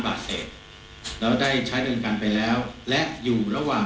บาทเศษเราได้ใช้เงินการไปแล้วและอยู่ระหว่าง